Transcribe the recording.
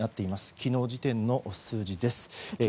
昨日時点の数字です。